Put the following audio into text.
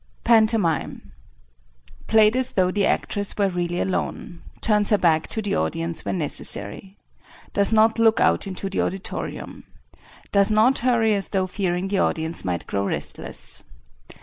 ] [PANTOMIME. Played as though the actress were really alone. Turns her back to the audience when necessary. Does not look out into the auditorium. Does not hurry as though fearing the audience might grow restless.